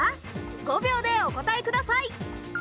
５秒でお答えください。